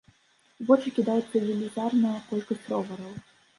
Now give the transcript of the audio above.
У вочы кідаецца велізарная колькасць ровараў.